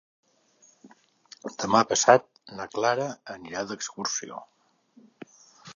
Demà passat na Clara anirà d'excursió.